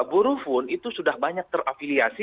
burufun itu sudah banyak terafiliasi